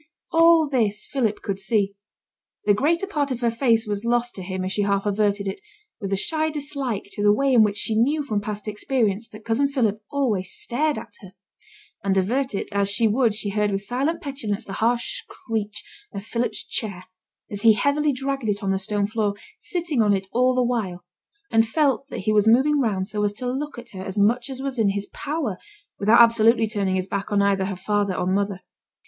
All this Philip could see; the greater part of her face was lost to him as she half averted it, with a shy dislike to the way in which she knew from past experience that cousin Philip always stared at her. And avert it as she would she heard with silent petulance the harsh screech of Philip's chair as he heavily dragged it on the stone floor, sitting on it all the while, and felt that he was moving round so as to look at her as much as was in his power, without absolutely turning his back on either her father or mother.